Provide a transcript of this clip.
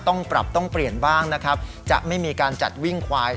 ต้องปรับต้องเปลี่ยนบ้างนะครับจะไม่มีการจัดวิ่งควาย